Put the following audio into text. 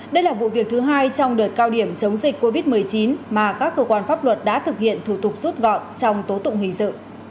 đây là vụ việc thứ hai trong đợt cao điểm chống dịch covid một mươi chín mà các cơ quan pháp luật đã thực hiện thủ tục rút gọn trong tố tụng hình sự